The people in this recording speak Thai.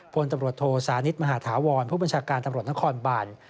พลตำรวจโทสานิทมหาธาวรผู้บัญชาการตำรวจนครบาน